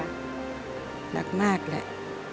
รักมากแหละ